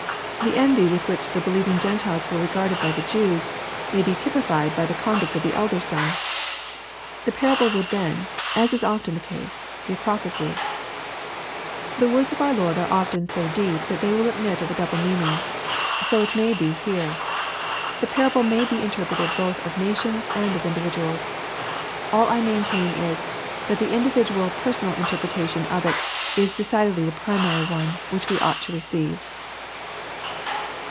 The envy with which the believing Gentiles were regarded by the Jews, may he typified by the conduct of the elder sm. The parable wo^ild *hen, as is often the case, be a prophecy. LUKK, CHAP. XV. .189 The words of our Lord are often so deep that tihey will admit of a double meaning. So it may be here. The parable may he interpreted both of nations and of individuals. All I maintain is, that the individual personal interpretation of it is decidedly the primary one which it ought to receive.